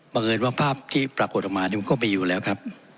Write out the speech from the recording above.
เอิญว่าภาพที่ปรากฏออกมานี่มันก็มีอยู่แล้วครับ